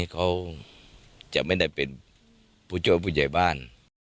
เขาจะไม่ได้เป็นผู้ช่วยผู้ใหญ่บ้าน